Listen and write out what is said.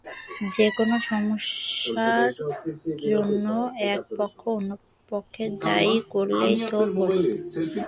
যেকোনো সমস্যার জন্য এক পক্ষ অন্য পক্ষকে দায়ী করলেই তো হলো।